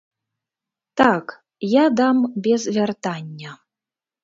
Так, я дам без вяртання.